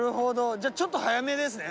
じゃちょっと速めですね。